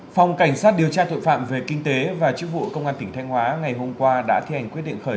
phòng cảnh sát điều tra tội phạm về kinh tế và chức vụ công an tỉnh thanh hóa ngày hôm qua đã thi hành quyết định khởi